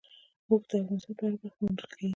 اوښ د افغانستان په هره برخه کې موندل کېږي.